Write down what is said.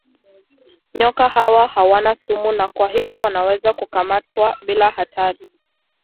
Nyoka hawa hawana sumu na kwa hivyo wanaweza kukamatwa bila hatari.